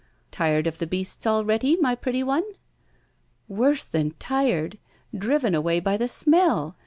"Tired of the beasts already, my pretty one?" "Worse than tired driven away by the smell!